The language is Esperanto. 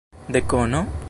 Dekono?